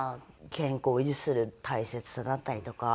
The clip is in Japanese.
健康を維持する大切さだったりとか。